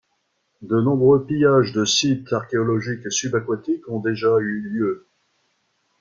De nombreux pillages de sites archéologiques subaquatiques ont déjà eu lieu.